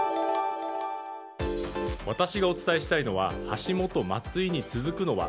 私がお伝えしたいのは橋下・松井に続くのは？